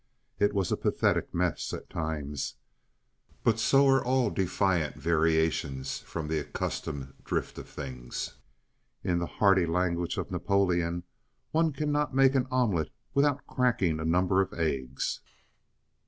It was a pathetic mess at times, but so are all defiant variations from the accustomed drift of things. In the hardy language of Napoleon, one cannot make an omelette without cracking a number of eggs.